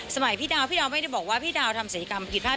สมัยพี่ดาวน์พี่ดาวน์ไม่ได้บอกว่าพี่ดาวน์ทำสัยกรรมผิดพลาด